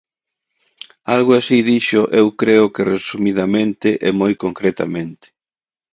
Algo así dixo eu creo que resumidamente e moi concretamente.